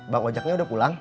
bang ojaknya udah pulang